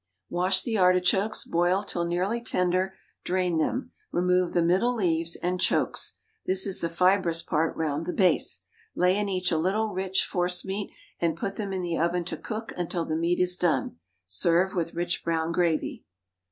_ Wash the artichokes; boil till nearly tender; drain them; remove the middle leaves and "chokes" (this is the fibrous part round the base); lay in each a little rich force meat, and put them in the oven to cook until the meat is done. Serve with rich brown gravy.